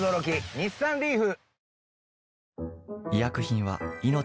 日産リーフ！